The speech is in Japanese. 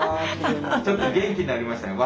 ちょっと元気になりましたね。